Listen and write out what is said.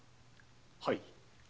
はい。